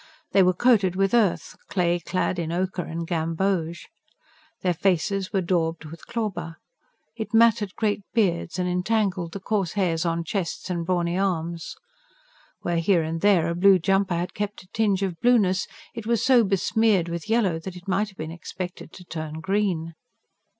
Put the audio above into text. They were coated with earth, clay clad in ochre and gamboge. Their faces were daubed with clauber; it matted great beards, and entangled the coarse hairs on chests and brawny arms. Where, here and there, a blue jumper had kept a tinge of blueness, it was so besmeared with yellow that it might have been expected to turn green.